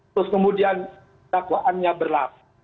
terus kemudian takwaannya berlaku